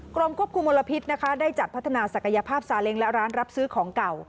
กรมควบคุมมลพิษนะคะได้จัดพัฒนาศักยภาพซาเล้งและร้านรับซื้อของเก่า